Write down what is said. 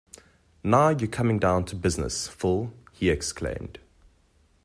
Now you're coming down to business, Phil, he exclaimed.